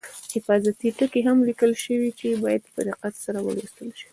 حفاظتي ټکي هم لیکل شوي چې باید په دقت سره ولوستل شي.